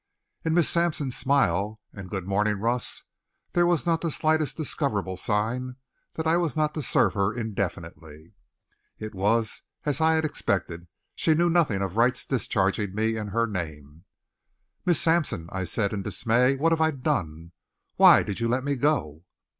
In Miss Sampson's smile and "Good morning, Russ," there was not the slightest discoverable sign that I was not to serve her indefinitely. It was as I had expected she knew nothing of Wright's discharging me in her name. "Miss Sampson," I said, in dismay, "what have I done? Why did you let me go?"